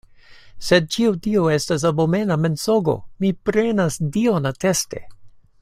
Sed ĉio tio estas abomena mensogo; mi prenas Dion ateste.